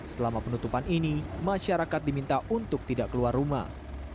selama penutupan ini masyarakat diminta untuk tidak keluar rumah